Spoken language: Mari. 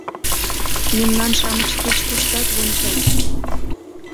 — «Мемнан-шамыч кеч куштат вончат!»